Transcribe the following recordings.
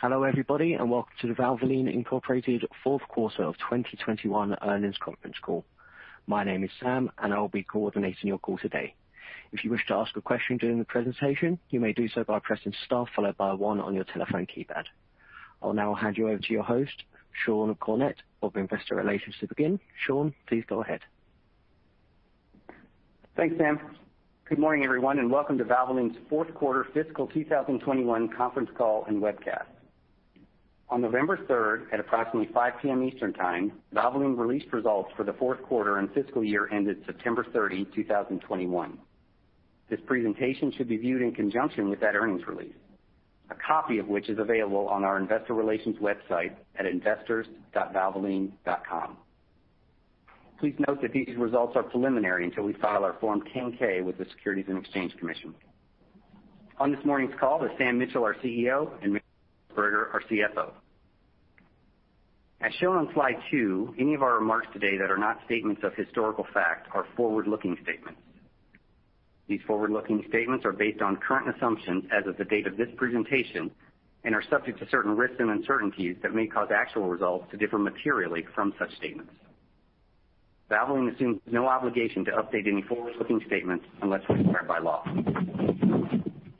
Hello, everybody, and welcome to the Valvoline Inc. fourth quarter of 2021 earnings conference call. My name is Sam, and I will be coordinating your call today. If you wish to ask a question during the presentation, you may do so by pressing star followed by one on your telephone keypad. I'll now hand you over to your host, Sean Cornett of Investor Relations to begin. Sean, please go ahead. Thanks, Sam. Good morning, everyone, and welcome to Valvoline's fourth quarter fiscal 2021 conference call and webcast. On November 3rd, at approximately 5 P.M. Eastern Time, Valvoline released results for the fourth quarter and fiscal year ended September 30, 2021. This presentation should be viewed in conjunction with that earnings release, a copy of which is available on our investor relations website at investors.valvoline.com. Please note that these results are preliminary until we file our Form 10-K with the Securities and Exchange Commission. On this morning's call is Sam Mitchell, our CEO, and Rick Berger, our CFO. As shown on slide 2, any of our remarks today that are not statements of historical fact are forward-looking statements. These forward-looking statements are based on current assumptions as of the date of this presentation and are subject to certain risks and uncertainties that may cause actual results to differ materially from such statements. Valvoline assumes no obligation to update any forward-looking statements unless required by law.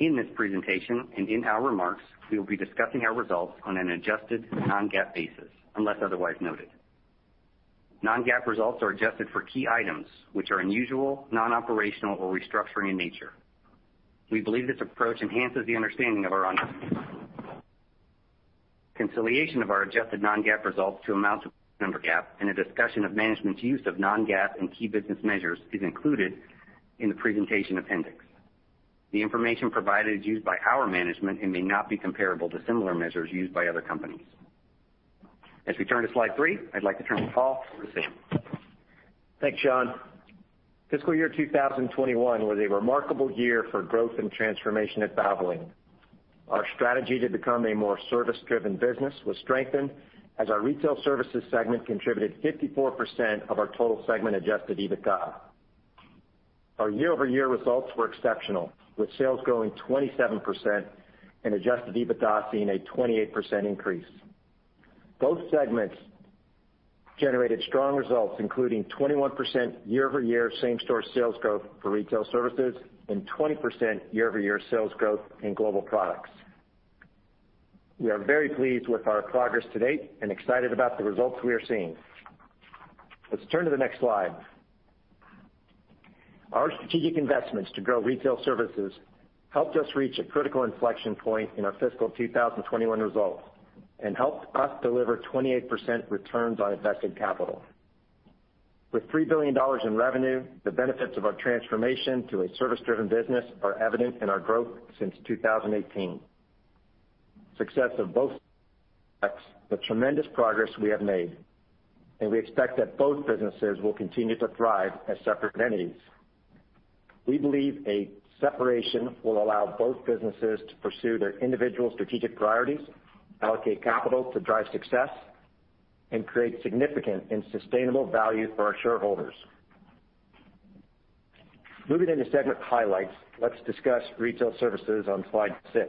In this presentation and in our remarks, we will be discussing our results on an adjusted non-GAAP basis unless otherwise noted. Non-GAAP results are adjusted for key items which are unusual, non-operational, or restructuring in nature. We believe this approach enhances the understanding of our outcomes. Reconciliation of our adjusted non-GAAP results to amounts under GAAP and a discussion of management's use of non-GAAP and key business measures is included in the presentation appendix. The information provided is used by our management and may not be comparable to similar measures used by other companies. As we turn to slide three, I'd like to turn the call over to Sam. Thanks, Sean. Fiscal year 2021 was a remarkable year for growth and transformation at Valvoline. Our strategy to become a more service-driven business was strengthened as our Retail Services segment contributed 54% of our total segment Adjusted EBITDA. Our year-over-year results were exceptional, with sales growing 27% and Adjusted EBITDA seeing a 28% increase. Both segments generated strong results, including 21% year-over-year same-store sales growth for Retail Services and 20% year-over-year sales growth in Global Products. We are very pleased with our progress to date and excited about the results we are seeing. Let's turn to the next slide. Our strategic investments to grow Retail Services helped us reach a critical inflection point in our fiscal 2021 results and helped us deliver 28% returns on invested capital. With $3 billion in revenue, the benefits of our transformation to a service-driven business are evident in our growth since 2018. Success of both products, the tremendous progress we have made, and we expect that both businesses will continue to thrive as separate entities. We believe a separation will allow both businesses to pursue their individual strategic priorities, allocate capital to drive success and create significant and sustainable value for our shareholders. Moving into segment highlights, let's discuss Retail Services on slide 6.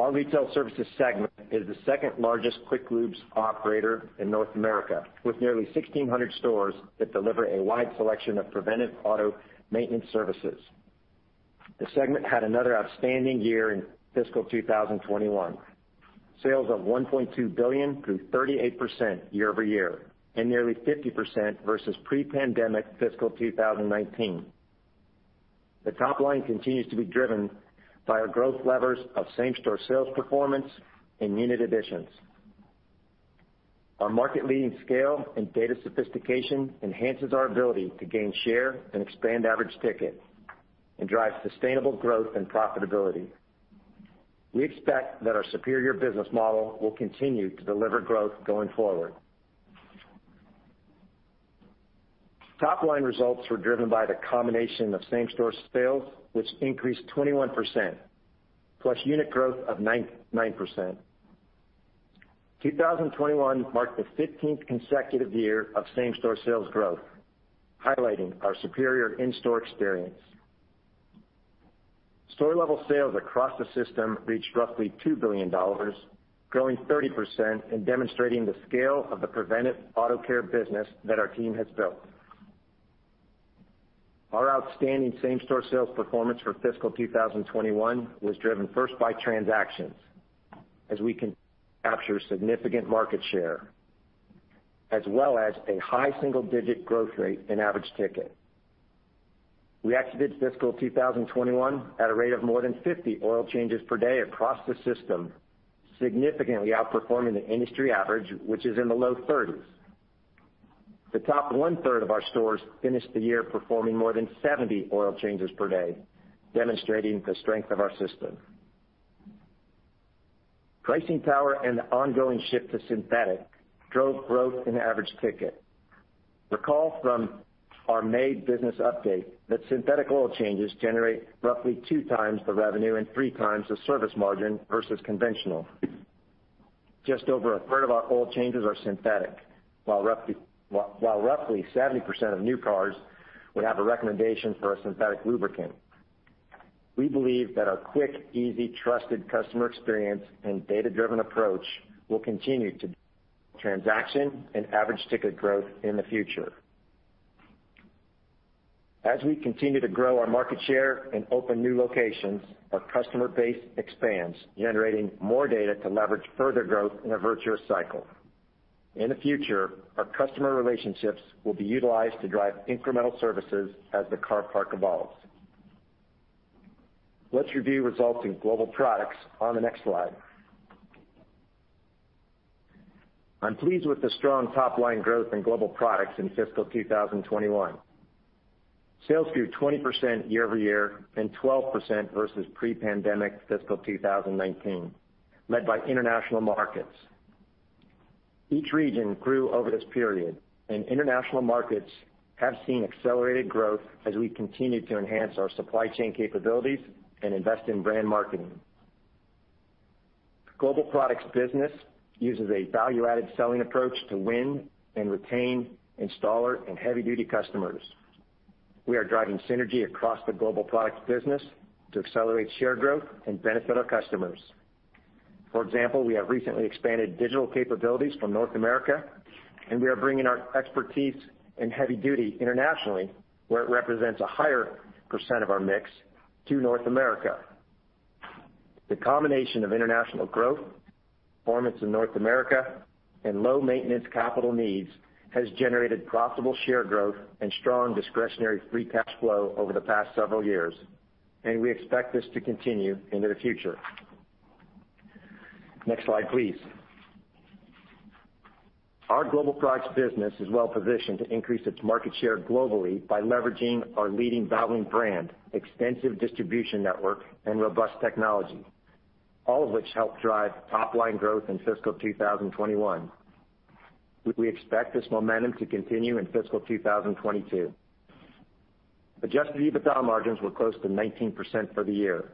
Our Retail Services segment is the second largest quick-lube operator in North America, with nearly 1,600 stores that deliver a wide selection of preventive auto maintenance services. The segment had another outstanding year in fiscal 2021. Sales of $1.2 billion grew 38% year-over-year and nearly 50% versus pre-pandemic fiscal 2019. The top line continues to be driven by our growth levers of same-store sales performance and unit additions. Our market leading scale and data sophistication enhances our ability to gain share and expand average ticket and drive sustainable growth and profitability. We expect that our superior business model will continue to deliver growth going forward. Top line results were driven by the combination of same-store sales, which increased 21% plus unit growth of 9%. 2021 marked the 15th consecutive year of same-store sales growth, highlighting our superior in-store experience. Store level sales across the system reached roughly $2 billion, growing 30% and demonstrating the scale of the preventive auto care business that our team has built. Our outstanding same-store sales performance for fiscal 2021 was driven first by transactions as we can capture significant market share as well as a high single-digit growth rate in average ticket. We exited fiscal 2021 at a rate of more than 50 oil changes per day across the system, significantly outperforming the industry average, which is in the low 30s. The top one-third of our stores finished the year performing more than 70 oil changes per day, demonstrating the strength of our system. Pricing power and the ongoing shift to synthetic drove growth in average ticket. Recall from our May business update that synthetic oil changes generate roughly two times the revenue and three times the service margin versus conventional. Just over a third of our oil changes are synthetic, while roughly 70% of new cars would have a recommendation for a synthetic lubricant. We believe that our quick, easy, trusted customer experience and data-driven approach will continue to drive transaction and average ticket growth in the future. As we continue to grow our market share and open new locations, our customer base expands, generating more data to leverage further growth in a virtuous cycle. In the future, our customer relationships will be utilized to drive incremental services as the car park evolves. Let's review results in Global Products on the next slide. I'm pleased with the strong top line growth in Global Products in fiscal 2021. Sales grew 20% year-over-year and 12% versus pre-pandemic fiscal 2019, led by international markets. Each region grew over this period, and international markets have seen accelerated growth as we continue to enhance our supply chain capabilities and invest in brand marketing. Global Products business uses a value-added selling approach to win and retain installer and heavy-duty customers. We are driving synergy across the Global Products business to accelerate share growth and benefit our customers. For example, we have recently expanded digital capabilities from North America, and we are bringing our expertise in heavy-duty internationally, where it represents a higher percent of our mix to North America. The combination of international growth, performance in North America, and low maintenance capital needs has generated profitable share growth and strong discretionary free cash flow over the past several years, and we expect this to continue into the future. Next slide, please. Our Global Products business is well positioned to increase its market share globally by leveraging our leading Valvoline brand, extensive distribution network and robust technology, all of which helped drive top line growth in fiscal 2021. We expect this momentum to continue in fiscal 2022. Adjusted EBITDA margins were close to 19% for the year.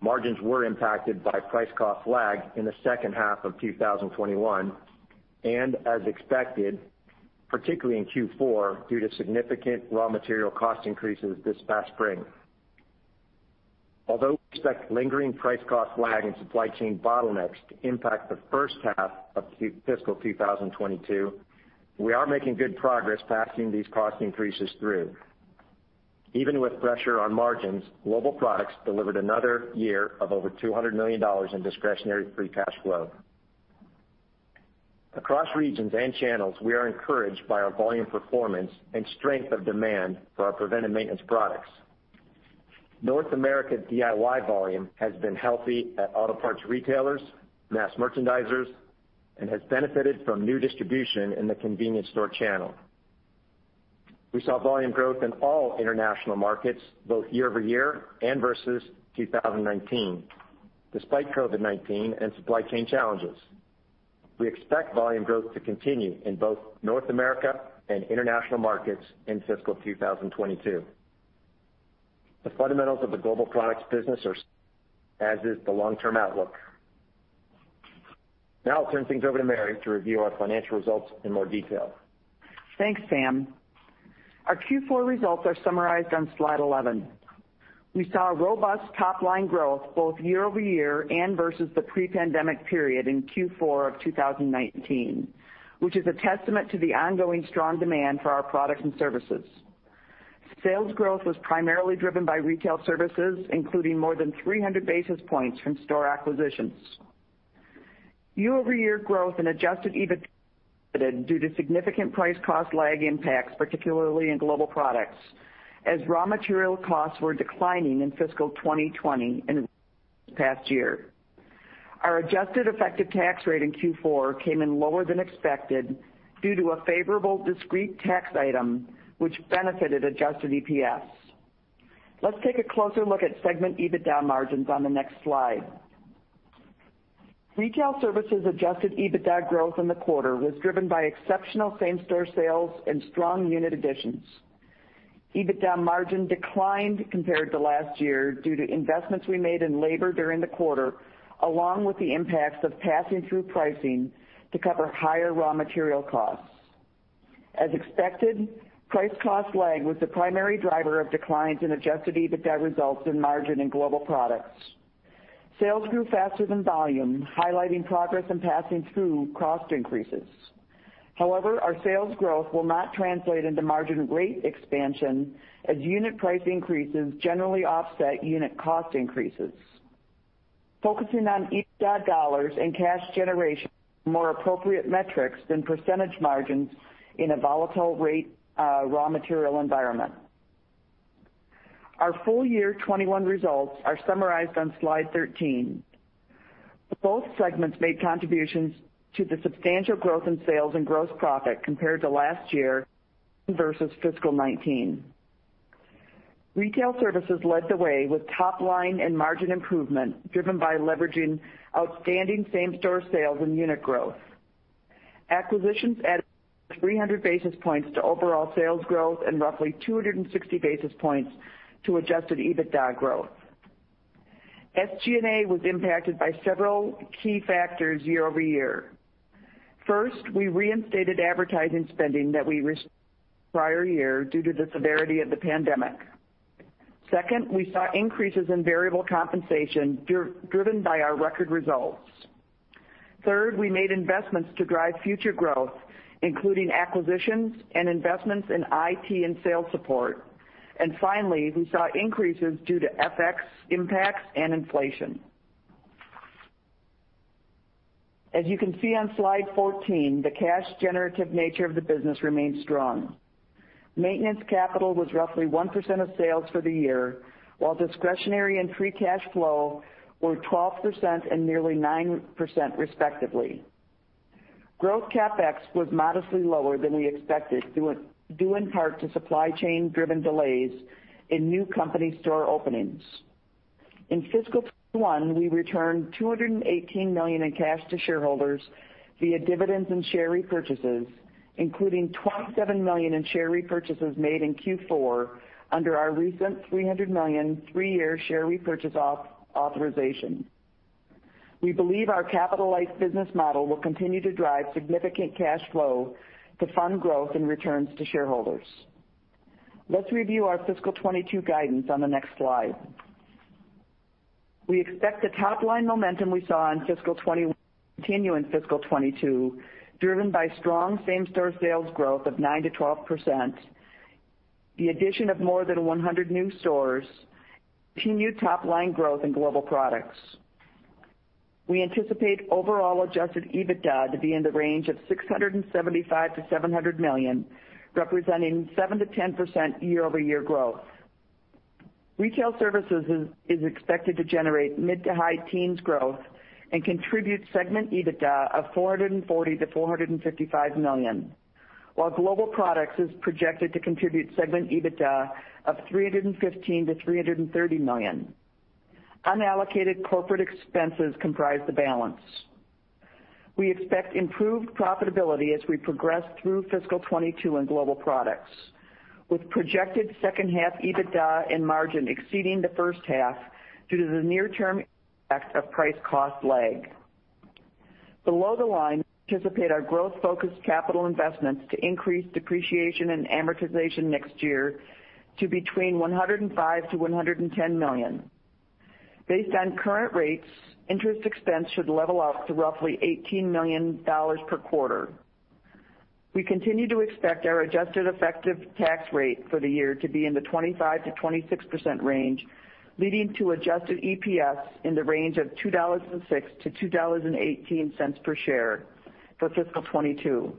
Margins were impacted by price cost lag in the second half of 2021, and as expected, particularly in Q4, due to significant raw material cost increases this past spring. Although we expect lingering price cost lag and supply chain bottlenecks to impact the first half of fiscal 2022, we are making good progress passing these cost increases through. Even with pressure on margins, Global Products delivered another year of over $200 million in discretionary free cash flow. Across regions and channels, we are encouraged by our volume performance and strength of demand for our preventive maintenance products. North America DIY volume has been healthy at auto parts retailers, mass merchandisers, and has benefited from new distribution in the convenience store channel. We saw volume growth in all international markets, both year-over-year and versus 2019, despite COVID-19 and supply chain challenges. We expect volume growth to continue in both North America and international markets in fiscal 2022. The fundamentals of the Global Products business are, as is the long-term outlook. Now I'll turn things over to Mary to review our financial results in more detail. Thanks, Sam. Our Q4 results are summarized on slide 11. We saw a robust top-line growth both year-over-year and versus the pre-pandemic period in Q4 of 2019, which is a testament to the ongoing strong demand for our products and services. Sales growth was primarily driven by Retail Services, including more than 300 basis points from store acquisitions. The year-over-year growth in Adjusted EBITDA was due to significant price-cost lag impacts, particularly in Global Products, as raw material costs were declining in fiscal 2020 and the past year. Our adjusted effective tax rate in Q4 came in lower than expected due to a favorable discrete tax item, which benefited adjusted EPS. Let's take a closer look at segment EBITDA margins on the next slide. Retail Services Adjusted EBITDA growth in the quarter was driven by exceptional same-store sales and strong unit additions. EBITDA margin declined compared to last year due to investments we made in labor during the quarter, along with the impacts of passing through pricing to cover higher raw material costs. As expected, price cost lag was the primary driver of declines in Adjusted EBITDA results and margin in Global Products. Sales grew faster than volume, highlighting progress in passing through cost increases. However, our sales growth will not translate into margin rate expansion as unit price increases generally offset unit cost increases. Focusing on EBITDA dollars and cash generation, more appropriate metrics than percentage margins in a volatile rate, raw material environment. Our full-year 2021 results are summarized on slide 13. Both segments made contributions to the substantial growth in sales and gross profit compared to last year versus fiscal 2019. Retail Services led the way with top line and margin improvement, driven by leveraging outstanding same-store sales and unit growth. Acquisitions added 300 basis points to overall sales growth and roughly 260 basis points to Adjusted EBITDA growth. SG&A was impacted by several key factors year-over-year. First, we reinstated advertising spending that we restructured in the prior year due to the severity of the pandemic. Second, we saw increases in variable compensation driven by our record results. Third, we made investments to drive future growth, including acquisitions and investments in IT and sales support. Finally, we saw increases due to FX impacts and inflation. As you can see on slide 14, the cash generative nature of the business remains strong. Maintenance capital was roughly 1% of sales for the year, while discretionary and free cash flow were 12% and nearly 9% respectively. Growth CapEx was modestly lower than we expected due in part to supply chain driven delays in new company store openings. In fiscal 2021, we returned $218 million in cash to shareholders via dividends and share repurchases, including $27 million in share repurchases made in Q4 under our recent $300 million, three-year share repurchase authorization. We believe our capital-light business model will continue to drive significant cash flow to fund growth and returns to shareholders. Let's review our fiscal 2022 guidance on the next slide. We expect the top line momentum we saw in fiscal 2021 to continue in fiscal 2022, driven by strong same-store sales growth of 9%-12%, the addition of more than 100 new stores, continued top line growth in Global Products. We anticipate overall Adjusted EBITDA to be in the range of $675 million-$700 million, representing 7%-10% year-over-year growth. Retail Services is expected to generate mid- to high-teens% growth and contribute segment EBITDA of $440 million-$455 million, while Global Products is projected to contribute segment EBITDA of $315 million-$330 million. Unallocated corporate expenses comprise the balance. We expect improved profitability as we progress through fiscal 2022 in Global Products, with projected second half EBITDA and margin exceeding the first half due to the near-term impact of price cost lag. Below the line, we anticipate our growth-focused capital investments to increase depreciation and amortization next year to between $105 million-$110 million. Based on current rates, interest expense should level off to roughly $18 million per quarter. We continue to expect our adjusted effective tax rate for the year to be in the 25%-26% range, leading to adjusted EPS in the range of $2.06-$2.18 per share for fiscal 2022.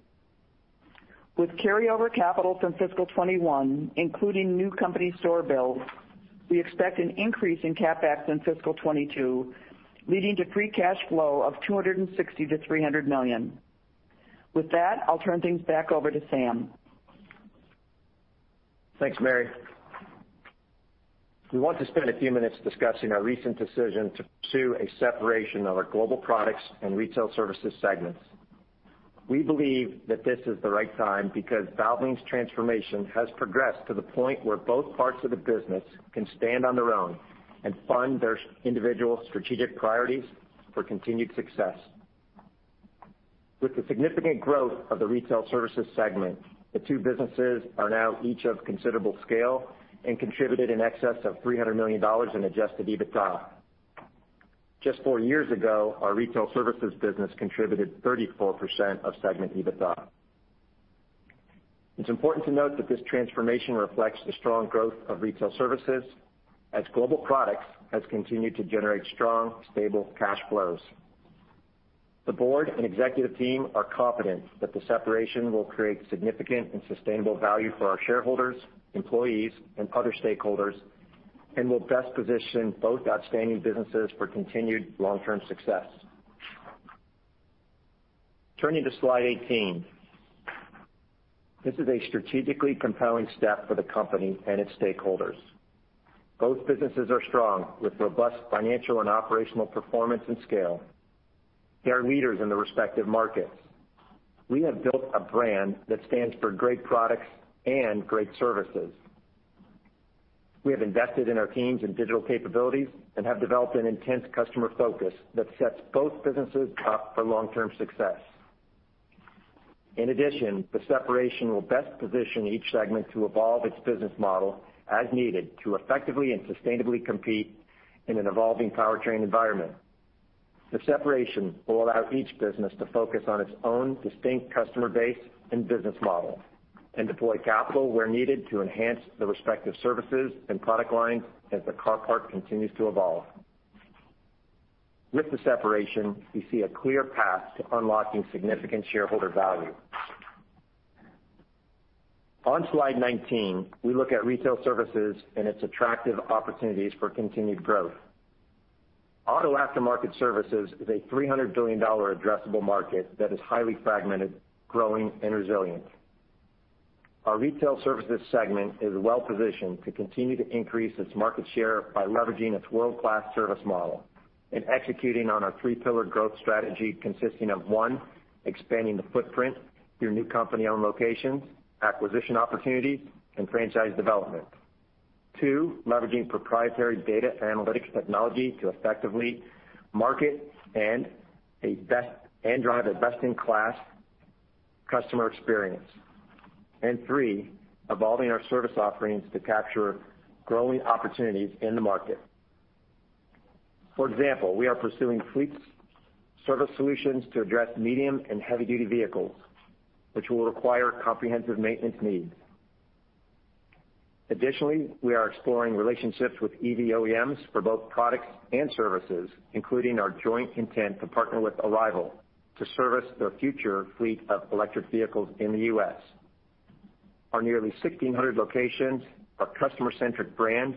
With carryover capital from fiscal 2021, including new company store builds, we expect an increase in CapEx in fiscal 2022, leading to free cash flow of $260 million-$300 million. With that, I'll turn things back over to Sam. Thanks, Mary. We want to spend a few minutes discussing our recent decision to pursue a separation of our Global Products and Retail Services segments. We believe that this is the right time because Valvoline's transformation has progressed to the point where both parts of the business can stand on their own and fund their individual strategic priorities for continued success. With the significant growth of the Retail Services segment, the two businesses are now each of considerable scale and contribute in excess of $300 million in Adjusted EBITDA. Just four years ago, our Retail Services business contributed 34% of segment EBITDA. It's important to note that this transformation reflects the strong growth of Retail Services as Global Products has continued to generate strong, stable cash flows. The board and executive team are confident that the separation will create significant and sustainable value for our shareholders, employees, and other stakeholders and will best position both outstanding businesses for continued long-term success. Turning to slide 18, this is a strategically compelling step for the company and its stakeholders. Both businesses are strong, with robust financial and operational performance and scale. They are leaders in their respective markets. We have built a brand that stands for great products and great services. We have invested in our teams and digital capabilities and have developed an intense customer focus that sets both businesses up for long-term success. In addition, the separation will best position each segment to evolve its business model as needed to effectively and sustainably compete in an evolving powertrain environment. The separation will allow each business to focus on its own distinct customer base and business model and deploy capital where needed to enhance their respective services and product lines as the car park continues to evolve. With the separation, we see a clear path to unlocking significant shareholder value. On slide 19, we look at Retail Services and its attractive opportunities for continued growth. Auto aftermarket services is a $300 billion addressable market that is highly fragmented, growing and resilient. Our Retail Services segment is well positioned to continue to increase its market share by leveraging its world-class service model and executing on our three-pillared growth strategy consisting of, one, expanding the footprint through new company-owned locations, acquisition opportunities, and franchise development. Two, leveraging proprietary data analytics technology to effectively market and drive a best in class customer experience. Three, evolving our service offerings to capture growing opportunities in the market. For example, we are pursuing fleet service solutions to address medium and heavy duty vehicles, which will require comprehensive maintenance needs. Additionally, we are exploring relationships with EV OEMs for both products and services, including our joint intent to partner with Arrival to service their future fleet of electric vehicles in the U.S. Our nearly 1,600 locations, our customer centric brand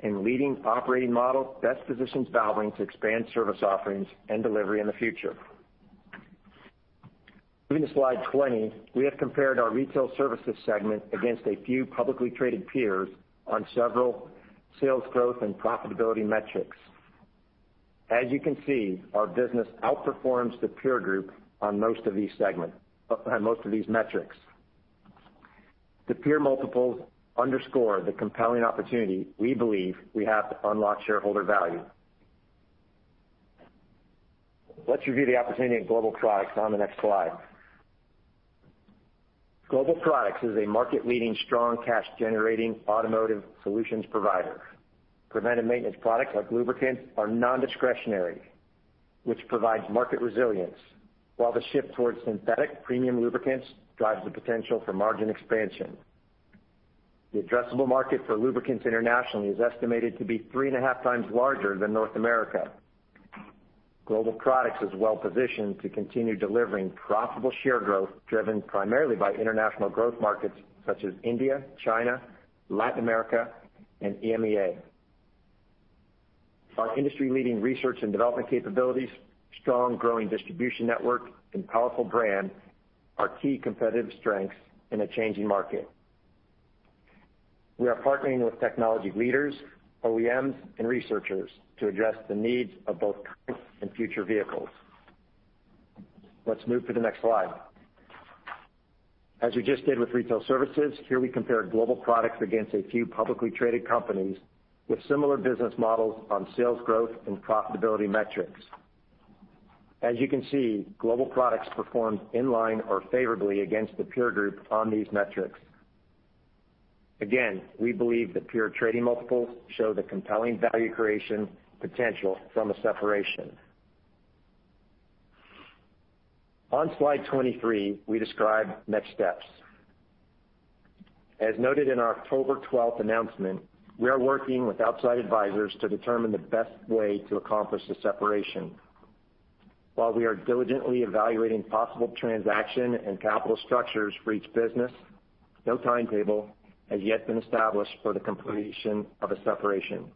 and leading operating model best positions Valvoline to expand service offerings and delivery in the future. Moving to slide 20, we have compared our Retail Services segment against a few publicly traded peers on several sales growth and profitability metrics. As you can see, our business outperforms the peer group on most of these metrics. The peer multiples underscore the compelling opportunity we believe we have to unlock shareholder value. Let's review the opportunity at Global Products on the next slide. Global Products is a market leading, strong cash generating automotive solutions provider. Preventive maintenance products like lubricants are non-discretionary, which provides market resilience, while the shift towards synthetic premium lubricants drives the potential for margin expansion. The addressable market for lubricants internationally is estimated to be three and a half times larger than North America. Global Products is well positioned to continue delivering profitable share growth, driven primarily by international growth markets such as India, China, Latin America, and EMEA. Our industry leading research and development capabilities, strong growing distribution network and powerful brand are key competitive strengths in a changing market. We are partnering with technology leaders, OEMs, and researchers to address the needs of both current and future vehicles. Let's move to the next slide. As you just did with Retail Services, here we compared Global Products against a few publicly traded companies with similar business models on sales growth and profitability metrics. As you can see, Global Products performed in line or favorably against the peer group on these metrics. Again, we believe that peer trading multiples show the compelling value creation potential from a separation. On slide 23, we describe next steps. As noted in our October twelfth announcement, we are working with outside advisors to determine the best way to accomplish the separation. While we are diligently evaluating possible transaction and capital structures for each business, no timetable has yet been established for the completion of a separation.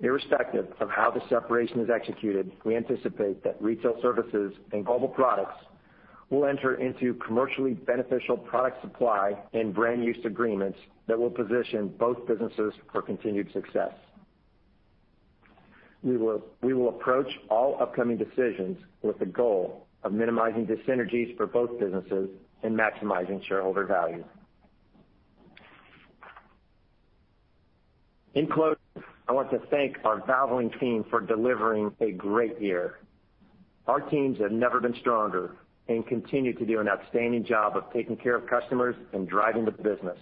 Irrespective of how the separation is executed, we anticipate that Retail Services and Global Products will enter into commercially beneficial product supply and brand use agreements that will position both businesses for continued success. We will approach all upcoming decisions with the goal of minimizing dyssynergies for both businesses and maximizing shareholder value. In closing, I want to thank our Valvoline team for delivering a great year. Our teams have never been stronger and continue to do an outstanding job of taking care of customers and driving the business.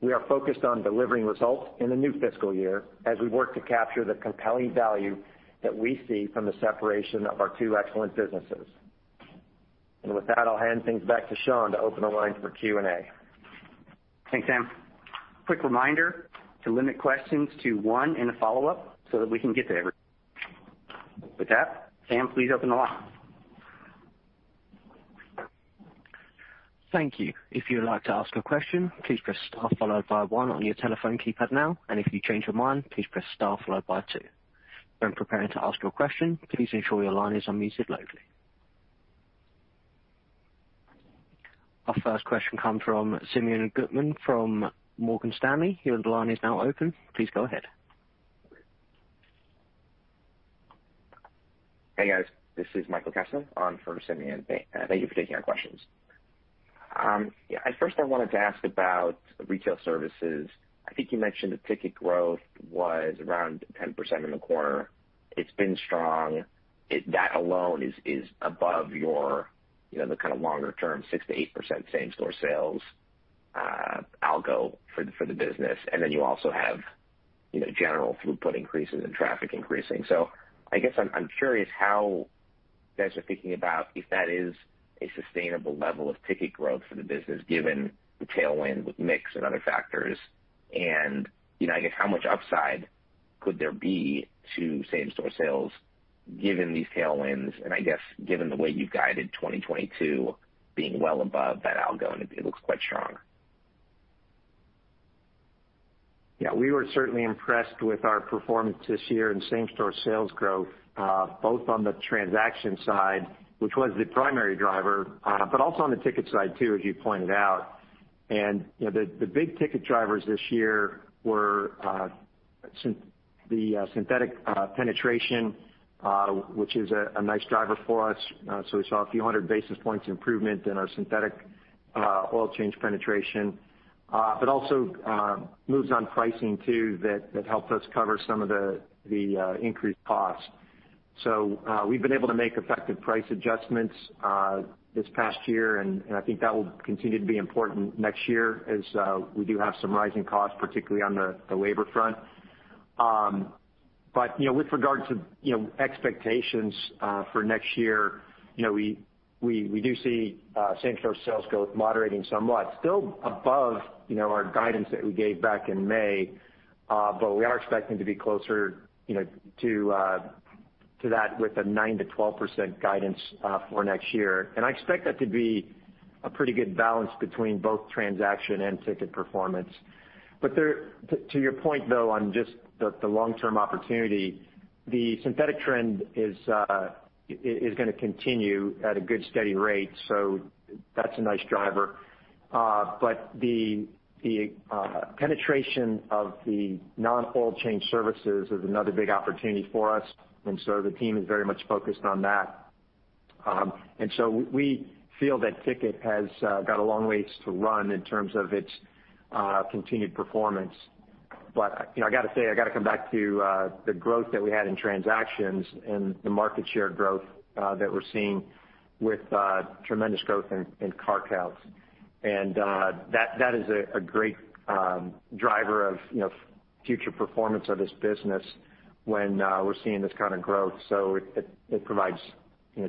We are focused on delivering results in the new fiscal year as we work to capture the compelling value that we see from the separation of our two excellent businesses. With that, I'll hand things back to Sean to open the line for Q&A. Thanks, Sam. Quick reminder to limit questions to one and a follow up so that we can get to everyone. With that, Sam, please open the line. Thank you. If you would like to ask a question, please press star followed by one on your telephone keypad now. If you change your mind, please press star followed by two. When preparing to ask your question, please ensure your line is unmuted locally. Our first question comes from Simeon Gutman from Morgan Stanley. Your line is now open. Please go ahead. Hey, guys. This is Michael Kessler on for Simeon Gutman. Thank you for taking our questions. Yeah, first I wanted to ask about Retail Services. I think you mentioned the ticket growth was around 10% in the quarter. It's been strong. That alone is above your, you know, the kind of longer term 6%-8% same-store sales algorithm for the business. Then you also have, you know, general throughput increases and traffic increasing. I guess I'm curious how you guys are thinking about if that is a sustainable level of ticket growth for the business, given the tailwind with mix and other factors. You know, I guess how much upside could there be to same-store sales given these tailwinds and I guess, given the way you've guided 2022 being well above that algo, and it looks quite strong? Yeah, we were certainly impressed with our performance this year in same-store sales growth, both on the transaction side, which was the primary driver, but also on the ticket side too, as you pointed out. You know, the big ticket drivers this year were synthetic penetration, which is a nice driver for us. We saw a few hundred basis points improvement in our synthetic oil change penetration, but also moves on pricing too, that helped us cover some of the increased costs. We've been able to make effective price adjustments this past year, and I think that will continue to be important next year as we do have some rising costs, particularly on the labor front. With regard to expectations for next year, we do see same-store sales growth moderating somewhat. Still, above our guidance that we gave back in May, but we are expecting to be closer to that with a 9%-12% guidance for next year. I expect that to be a pretty good balance between both transaction and ticket performance. To your point though, on just the long-term opportunity, the synthetic trend is gonna continue at a good, steady rate, so that's a nice driver. The penetration of the non-oil change services is another big opportunity for us, and so the team is very much focused on that. We feel that ticket has got a long ways to run in terms of its continued performance. You know, I gotta say, I gotta come back to the growth that we had in transactions and the market share growth that we're seeing with tremendous growth in car counts. That is a great driver of future performance of this business when we're seeing this kind of growth. It provides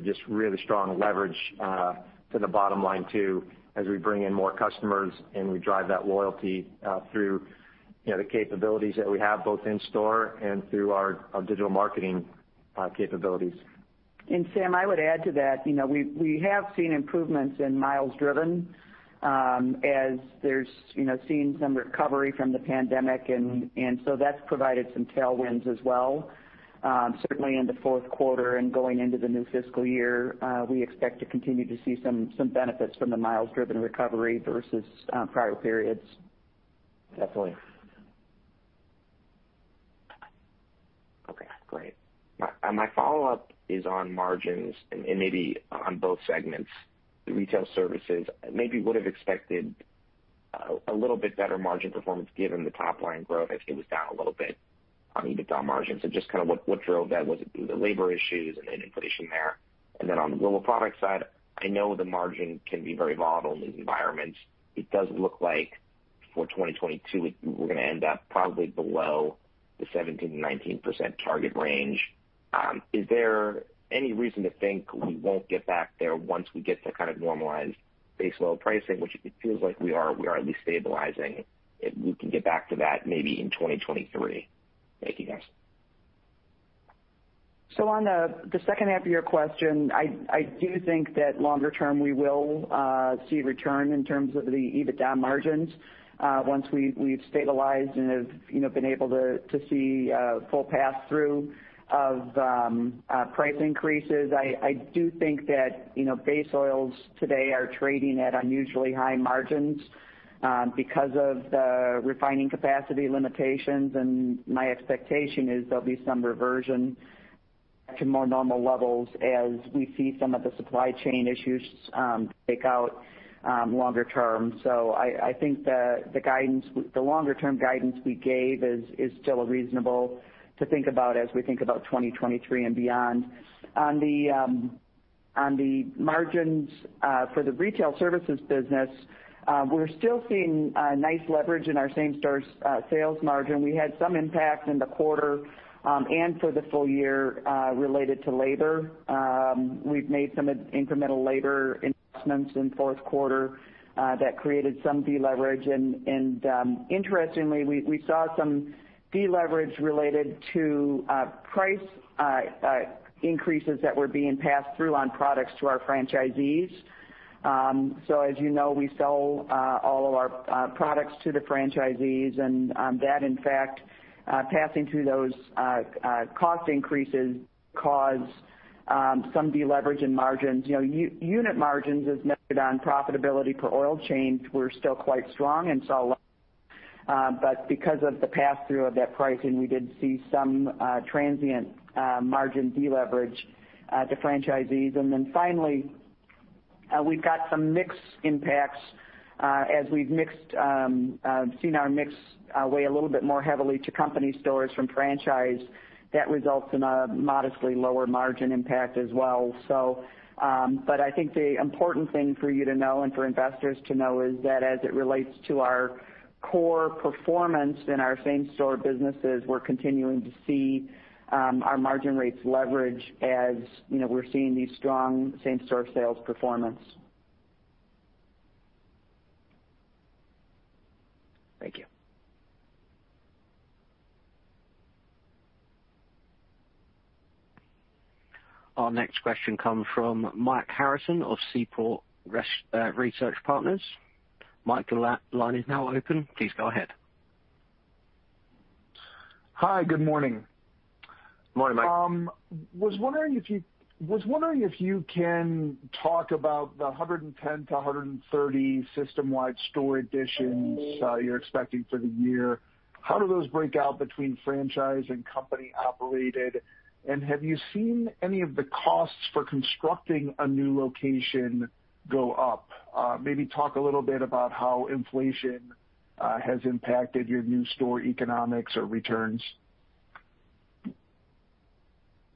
just really strong leverage to the bottom line too, as we bring in more customers and we drive that loyalty through the capabilities that we have both in store and through our digital marketing capabilities. Sam, I would add to that, you know, we have seen improvements in miles driven, as we're seeing some recovery from the pandemic and so that's provided some tailwinds as well. Certainly in the fourth quarter and going into the new fiscal year, we expect to continue to see some benefits from the miles driven recovery versus prior periods. Definitely. Okay, great. My follow-up is on margins and maybe on both segments. The Retail Services, maybe would have expected a little bit better margin performance given the top line growth. I think it was down a little bit on EBITDA margins. Just kinda what drove that? Was it the labor issues and then inflation there? On the Global Products side, I know the margin can be very volatile in these environments. It does look like for 2022, we're gonna end up probably below the 17%-19% target range. Is there any reason to think we won't get back there once we get to kind of normalized base oil pricing, which it feels like we are at least stabilizing, if we can get back to that maybe in 2023? Thank you, guys. On the second half of your question, I do think that longer term we will see a return in terms of the EBITDA margins once we've stabilized and have, you know, been able to see full pass-through of price increases. I do think that, you know, base oils today are trading at unusually high margins because of the refining capacity limitations, and my expectation is there'll be some reversion to more normal levels as we see some of the supply chain issues shake out longer term. I think the guidance, the longer term guidance we gave is still reasonable to think about as we think about 2023 and beyond. On the margins for the Retail Services business, we're still seeing nice leverage in our same-store sales margin. We had some impact in the quarter and for the full year related to labor. We've made some incremental labor investments in fourth quarter that created some deleverage. Interestingly, we saw some deleverage related to price increases that were being passed through on products to our franchisees. As you know, we sell all of our products to the franchisees and that in fact passing through those cost increases caused some deleverage in margins. You know, unit margins, as measured on profitability per oil change, were still quite strong and solid. Because of the pass-through of that pricing, we did see some transient margin deleverage to franchisees. Then finally, we've got some mix impacts as we've seen our mix weigh a little bit more heavily to company stores from franchise. That results in a modestly lower margin impact as well. I think the important thing for you to know and for investors to know is that as it relates to our core performance in our same-store businesses, we're continuing to see our margin rates leverage as, you know, we're seeing these strong same-store sales performance. Thank you. Our next question comes from Mike Harrison of Seaport Research Partners. Mike, the line is now open. Please go ahead. Hi, good morning. Morning, Mike. I was wondering if you can talk about the 110-130 system-wide store additions you're expecting for the year. How do those break out between franchise and company-operated? Have you seen any of the costs for constructing a new location go up? Maybe talk a little bit about how inflation has impacted your new store economics or returns.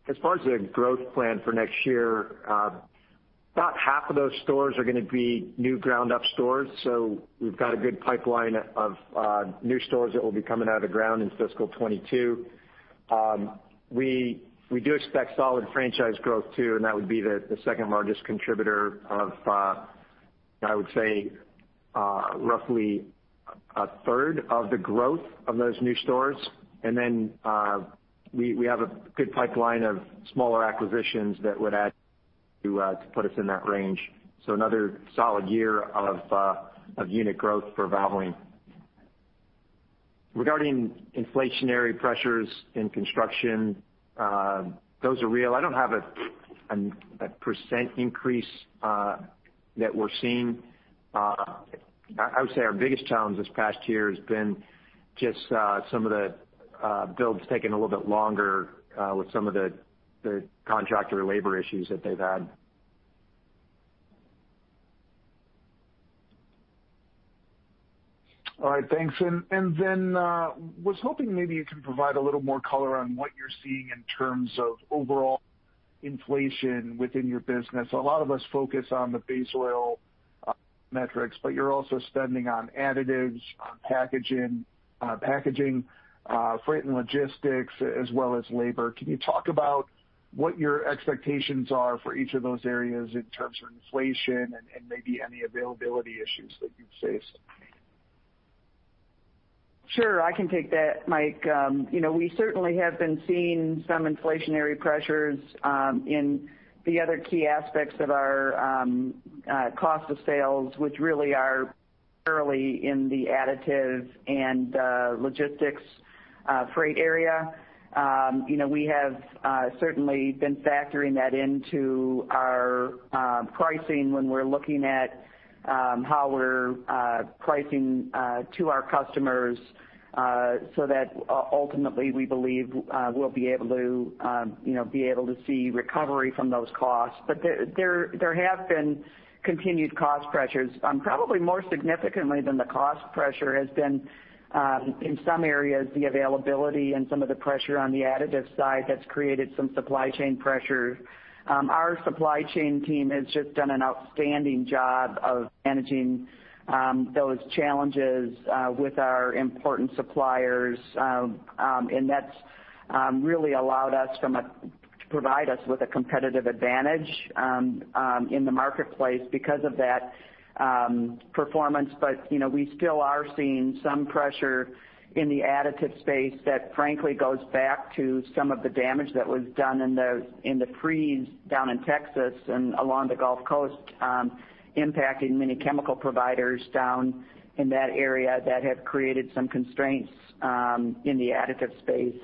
As far as the growth plan for next year, about half of those stores are gonna be new ground up stores. We've got a good pipeline of new stores that will be coming out of the ground in fiscal 2022. We do expect solid franchise growth too, and that would be the second largest contributor of, I would say, roughly a third of the growth of those new stores. We have a good pipeline of smaller acquisitions that would add to put us in that range. Another solid year of unit growth for Valvoline. Regarding inflationary pressures in construction, those are real. I don't have a percent increase that we're seeing. I would say our biggest challenge this past year has been just some of the builds taking a little bit longer with some of the contractor labor issues that they've had. All right, thanks. I was hoping maybe you can provide a little more color on what you're seeing in terms of overall inflation within your business. A lot of us focus on the base oil metrics, but you're also spending on additives, on packaging, freight and logistics as well as labor. Can you talk about what your expectations are for each of those areas in terms of inflation and maybe any availability issues that you've faced? Sure, I can take that, Mike. You know, we certainly have been seeing some inflationary pressures in the other key aspects of our cost of sales, which really are purely in the additives and logistics freight area. You know, we have certainly been factoring that into our pricing when we're looking at how we're pricing to our customers, so that ultimately we believe we'll be able to see recovery from those costs. But there have been continued cost pressures. Probably more significantly than the cost pressure has been in some areas, the availability and some of the pressure on the additives side that's created some supply chain pressures. Our supply chain team has just done an outstanding job of managing those challenges with our important suppliers. That's really allowed us to provide us with a competitive advantage in the marketplace because of that performance. You know, we still are seeing some pressure in the additive space that frankly goes back to some of the damage that was done in the freeze down in Texas and along the Gulf Coast, impacting many chemical providers down in that area that have created some constraints in the additive space.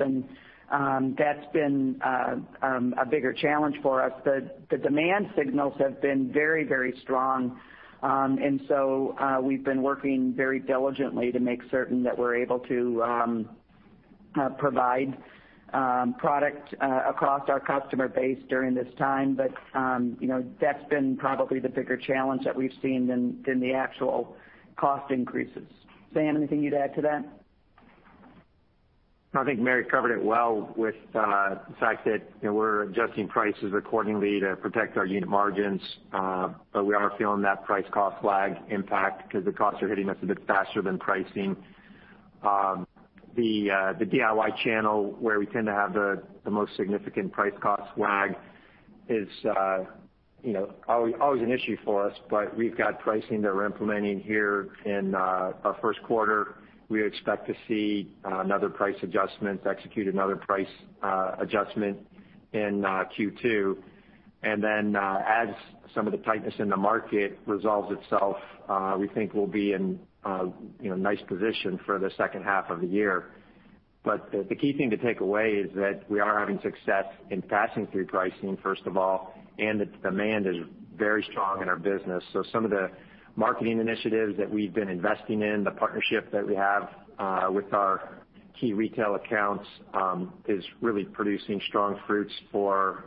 That's been a bigger challenge for us. The demand signals have been very, very strong. We've been working very diligently to make certain that we're able to provide product across our customer base during this time. You know, that's been probably the bigger challenge that we've seen than the actual cost increases. Sam, anything you'd add to that? No, I think Mary covered it well with the fact that, you know, we're adjusting prices accordingly to protect our unit margins. We are feeling that price cost lag impact because the costs are hitting us a bit faster than pricing. The DIY channel where we tend to have the most significant price cost lag is, you know, always an issue for us. We've got pricing that we're implementing here in our first quarter. We expect to see another price adjustment, execute another price adjustment in Q2. As some of the tightness in the market resolves itself, we think we'll be in a, you know, nice position for the second half of the year. The key thing to take away is that we are having success in passing through pricing, first of all, and the demand is very strong in our business. Some of the marketing initiatives that we've been investing in, the partnership that we have with our key retail accounts, is really producing strong results for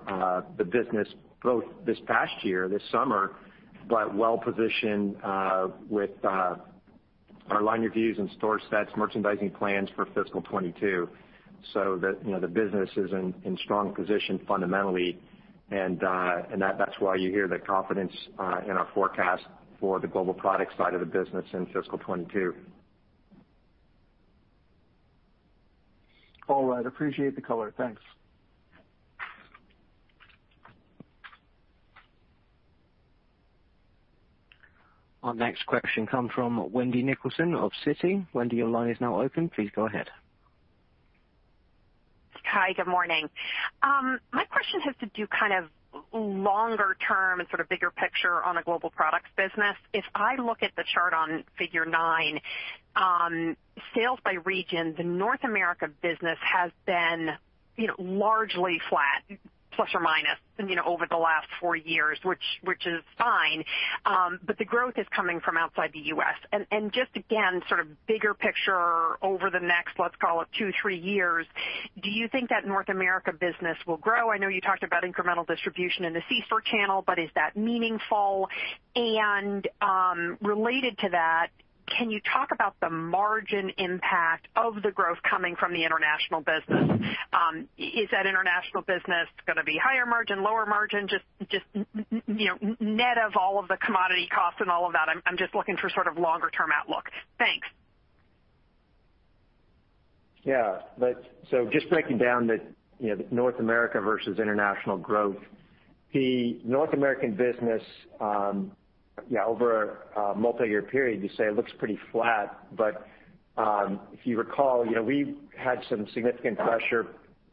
the business both this past year, this summer, but well positioned with our line reviews and store sets, merchandising plans for fiscal 2022, so that, you know, the business is in strong position fundamentally. That's why you hear the confidence in our forecast for the Global Products side of the business in fiscal 2022. All right. Appreciate the color. Thanks. Our next question comes from Wendy Nicholson of Citi. Wendy, your line is now open. Please go ahead. Hi, good morning. My question has to do kind of longer term and sort of bigger picture on the Global Products business. If I look at the chart on Figure 9, sales by region, the North America business has been, you know, largely flat plus or minus, you know, over the last four years, which is fine. But the growth is coming from outside the U.S. Just again, sort of bigger picture over the next, let's call it two, three years, do you think that North America business will grow? I know you talked about incremental distribution in the C-store channel, but is that meaningful? Related to that, can you talk about the margin impact of the growth coming from the international business? Is that international business gonna be higher margin, lower margin, just you know, net of all of the commodity costs and all of that? I'm just looking for sort of longer term outlook. Thanks. Just breaking down the, you know, North America versus international growth. The North American business, over a multiyear period, you say it looks pretty flat. If you recall, you know, we had some significant pressure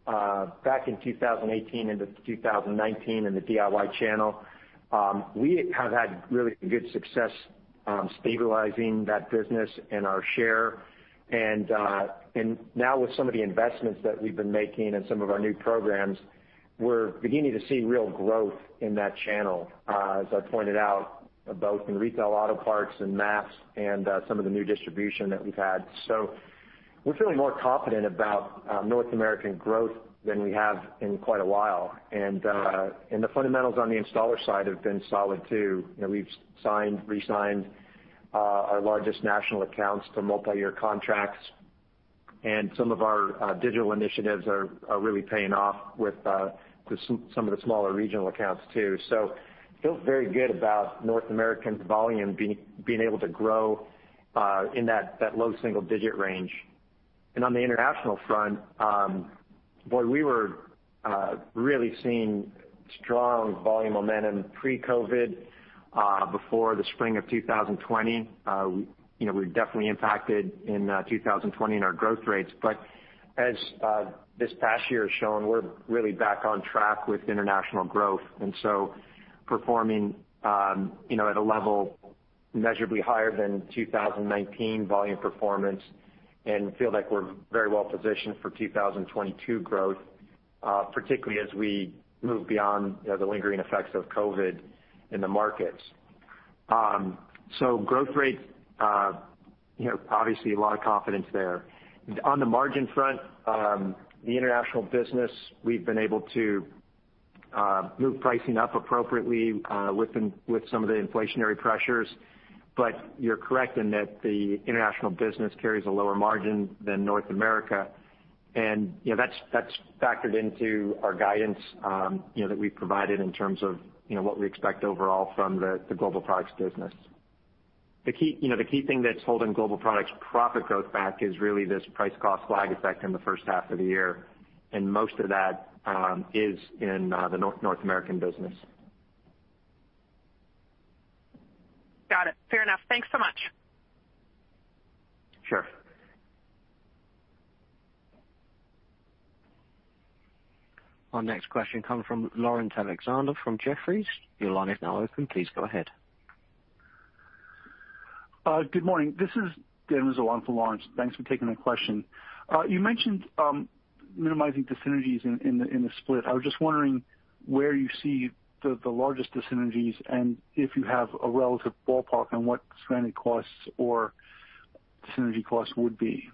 back in 2018 into 2019 in the DIY channel. We have had really good success stabilizing that business and our share. Now with some of the investments that we've been making and some of our new programs, we're beginning to see real growth in that channel, as I pointed out, both in retail auto parts and mass and some of the new distribution that we've had. We're feeling more confident about North American growth than we have in quite a while. The fundamentals on the installer side have been solid too. You know, we've re-signed our largest national accounts to multiyear contracts, and some of our digital initiatives are really paying off with some of the smaller regional accounts too. We feel very good about North American volume being able to grow in that low single digit range. On the international front, boy, we were really seeing strong volume momentum pre-COVID before the spring of 2020. You know, we were definitely impacted in 2020 in our growth rates. As this past year has shown, we're really back on track with international growth. Performing, you know, at a level measurably higher than 2019 volume performance and feel like we're very well positioned for 2022 growth, particularly as we move beyond, you know, the lingering effects of COVID in the markets. Growth rate, you know, obviously a lot of confidence there. On the margin front, the international business, we've been able to move pricing up appropriately with some of the inflationary pressures. You're correct in that the international business carries a lower margin than North America. You know, that's factored into our guidance, you know, that we've provided in terms of, you know, what we expect overall from the Global Products business. The key, you know, the key thing that's holding Global Products profit growth back is really this price cost lag effect in the first half of the year, and most of that is in the North American business. Got it. Fair enough. Thanks so much. Sure. Our next question comes from Lauren Alexander from Jefferies. Your line is now open. Please go ahead. Good morning. This is Dan Rozon for Lawrence. Thanks for taking the question. You mentioned minimizing dyssynergies in the split. I was just wondering where you see the largest dyssynergies and if you have a relative ballpark on what stranded costs or dyssynergy costs would be.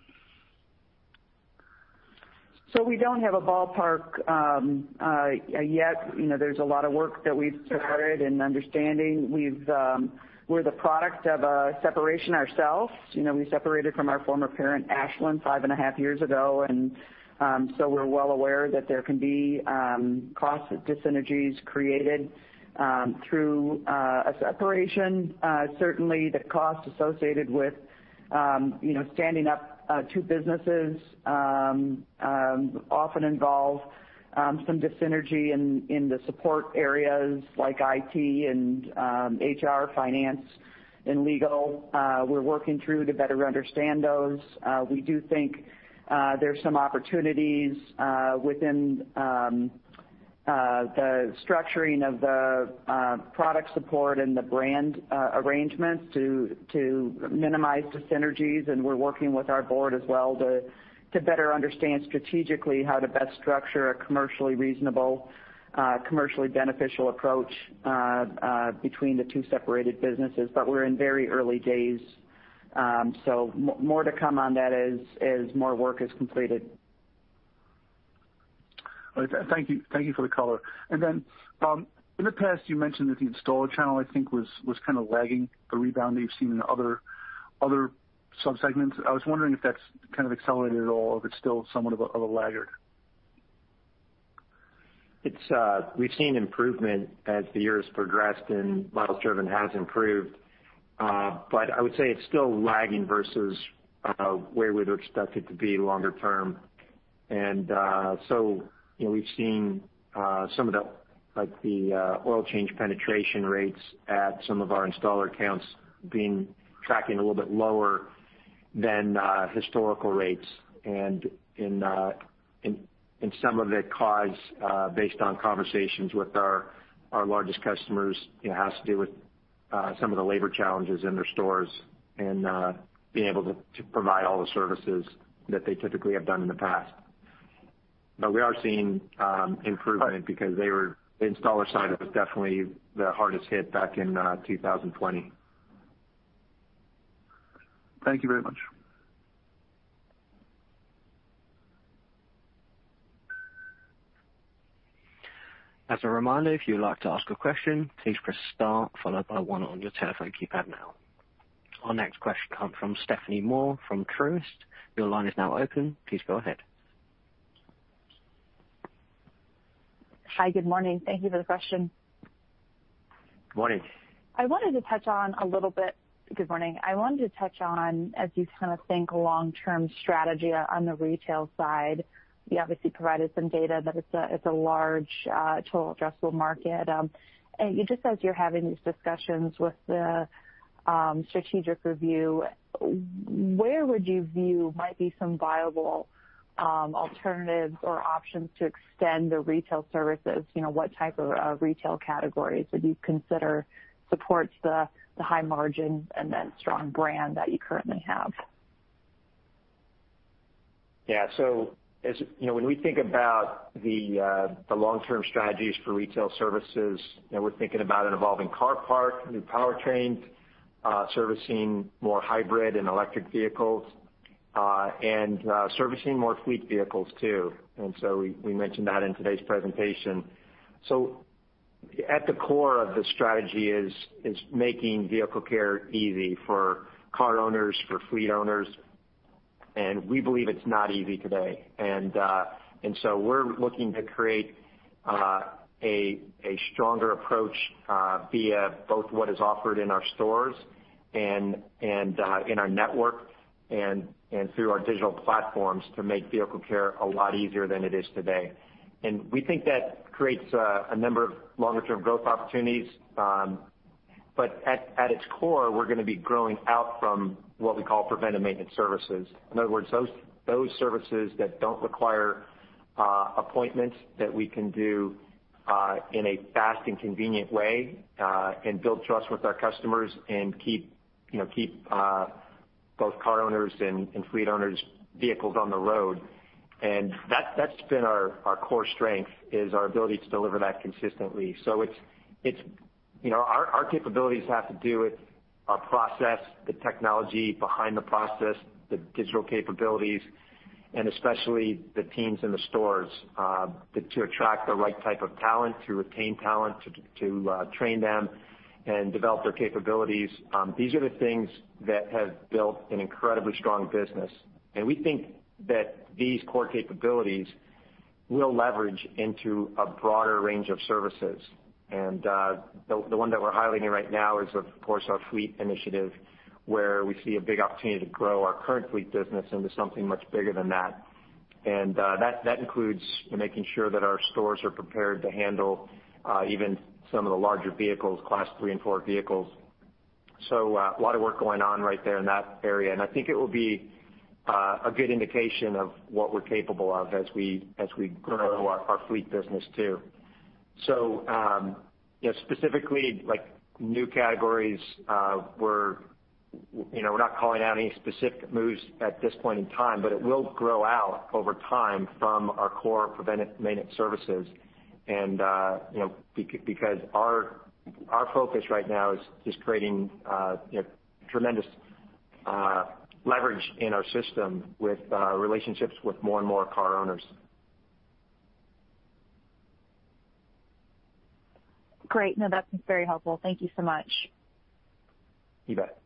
We don't have a ballpark yet. You know, there's a lot of work that we've started in understanding. We're the product of a separation ourselves. You know, we separated from our former parent, Ashland, five and a half years ago, and we're well aware that there can be costs of dyssynergies created through a separation. Certainly the costs associated with, you know, standing up two businesses often involve some dyssynergy in the support areas like IT and HR, finance and legal. We're working through to better understand those. We do think there's some opportunities within the structuring of the product support and the brand arrangements to minimize dyssynergies. We're working with our board as well to better understand strategically how to best structure a commercially reasonable, commercially beneficial approach between the two separated businesses. We're in very early days. More to come on that as more work is completed. Thank you. Thank you for the color. Then, in the past, you mentioned that the installer channel, I think, was kind of lagging the rebound that you've seen in other sub-segments. I was wondering if that's kind of accelerated at all or if it's still somewhat of a laggard. We've seen improvement as the year has progressed and miles driven has improved. I would say it's still lagging versus where we would expect it to be longer term. You know, we've seen some of the, like the oil change penetration rates at some of our installer accounts tracking a little bit lower than historical rates. In some of the cases, based on conversations with our largest customers, it has to do with some of the labor challenges in their stores and being able to provide all the services that they typically have done in the past. We are seeing improvement because the installer side was definitely the hardest hit back in 2020. Thank you very much. As a reminder, if you'd like to ask a question, please press star followed by one on your telephone keypad now. Our next question comes from Stephanie Moore from Truist. Your line is now open. Please go ahead. Hi. Good morning. Thank you for the question. Morning. Good morning. I wanted to touch on, as you kind of think long-term strategy on the retail side, you obviously provided some data that it's a large total addressable market. Just as you're having these discussions with the strategic review, where would you view might be some viable alternatives or options to extend the Retail Services? You know, what type of retail categories would you consider supports the high margins and then strong brand that you currently have? Yeah. As you know, when we think about the long-term strategies for Retail Services, you know, we're thinking about an evolving car park, new powertrains, servicing more hybrid and electric vehicles, and servicing more fleet vehicles too. We mentioned that in today's presentation. At the core of the strategy is making vehicle care easy for car owners, for fleet owners, and we believe it's not easy today. We're looking to create a stronger approach via both what is offered in our stores and in our network and through our digital platforms to make vehicle care a lot easier than it is today. We think that creates a number of longer term growth opportunities. At its core, we're gonna be growing out from what we call preventive maintenance services. In other words, those services that don't require appointments that we can do in a fast and convenient way and build trust with our customers and keep, you know, keep both car owners and fleet owners vehicles on the road. That's been our core strength is our ability to deliver that consistently. It's, you know, our capabilities have to do with our process, the technology behind the process, the digital capabilities, and especially the teams in the stores to attract the right type of talent, to retain talent, to train them and develop their capabilities. These are the things that have built an incredibly strong business, and we think that these core capabilities will leverage into a broader range of services. The one that we're highlighting right now is, of course, our fleet initiative, where we see a big opportunity to grow our current fleet business into something much bigger than that. That includes making sure that our stores are prepared to handle even some of the larger vehicles, class three and four vehicles. A lot of work going on right there in that area, and I think it will be a good indication of what we're capable of as we grow our fleet business too. You know, specifically like new categories, we're, you know, we're not calling out any specific moves at this point in time, but it will grow out over time from our core preventive maintenance services. You know, because our focus right now is just creating tremendous leverage in our system with relationships with more and more car owners. Great. No, that's very helpful. Thank you so much. You bet.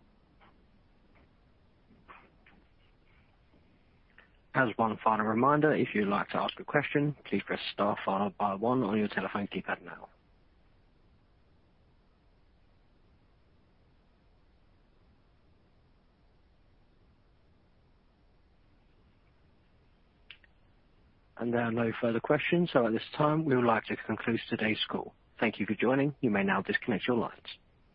As one final reminder, if you'd like to ask a question, please press star followed by one on your telephone keypad now. There are no further questions. At this time we would like to conclude today's call. Thank you for joining. You may now disconnect your lines.